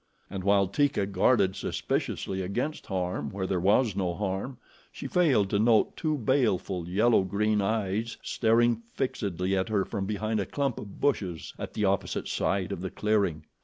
And while Teeka guarded suspiciously against harm, where there was no harm, she failed to note two baleful, yellow green eyes staring fixedly at her from behind a clump of bushes at the opposite side of the clearing.